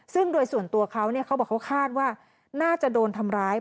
ซึ่งโดยส่วนตัวเขาเขาบอกเขาคาดว่าน่าจะโดนทำร้าย